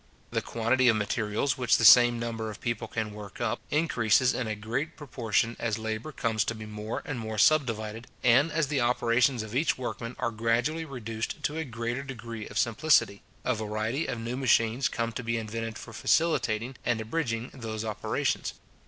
The quantity of materials which the same number of people can work up, increases in a great proportion as labour comes to be more and more subdivided; and as the operations of each workman are gradually reduced to a greater degree of simplicity, a variety of new machines come to be invented for facilitating and abridging those operations.